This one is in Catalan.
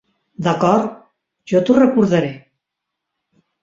D'acord, jo t'ho recordaré.